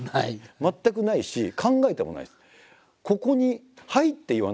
全くないし考えてもないです。